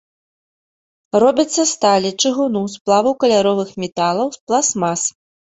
Робяць са сталі, чыгуну, сплаваў каляровых металаў, пластмас.